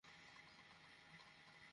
তুমি কোন পৃষ্ঠায় আছ?